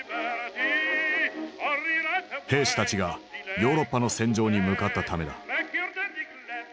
兵士たちがヨーロッパの戦場に向かったためだ。